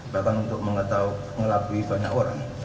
bahkan untuk mengetahui melakui banyak orang